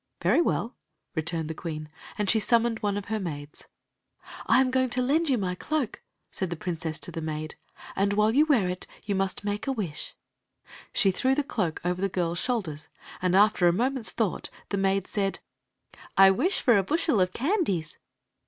"Very well," returned the queen, and she summoned one of her maids. " I am going to lend you my cloak," said the prin cess to the maid; "and while you wear it you must make a wish." She threw the cloak over the girls shoulders, and after a moment's thought the maid said; " I wish for a bushel of candies."